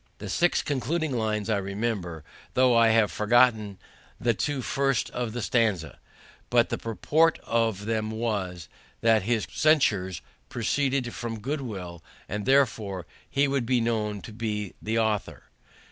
The six concluding lines I remember, though I have forgotten the two first of the stanza; but the purport of them was, that his censures proceeded from good will, and, therefore, he would be known to be the author.